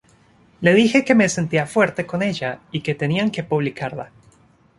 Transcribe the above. Le dije que me sentía fuerte con ella y que tenían que publicarla.